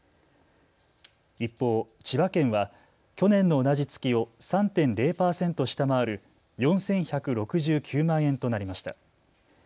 一方、千葉県は去年の同じ月を３．０％下回る４１６９万円となりました。